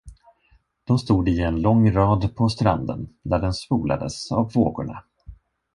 De stod i en lång rad på stranden, där den spolades av vågorna.